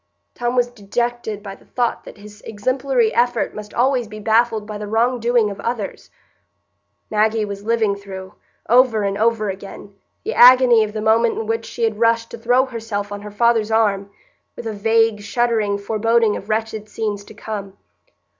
Tom was dejected by the thought that his exemplary effort must always be baffled by the wrong doing of others; Maggie was living through, over and over again, the agony of the moment in which she had rushed to throw herself on her father's arm, with a vague, shuddering foreboding of wretched scenes to come.